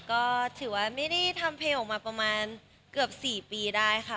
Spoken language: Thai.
ก็ถือว่าไม่ได้ทำเพลงออกมาประมาณเกือบ๔ปีได้ค่ะ